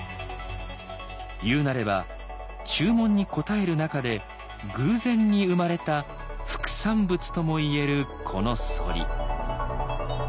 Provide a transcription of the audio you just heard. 言うなれば注文に応える中で偶然に生まれた副産物とも言えるこの反り。